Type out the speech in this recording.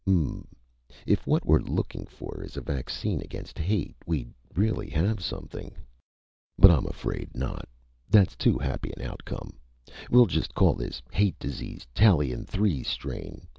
"Hm m m ... if what we're looking for is a vaccine against hate we'd really have something. "But I'm afraid not. That's too happy an outcome. We'll just call this Hate Disease, Tallien Three strain.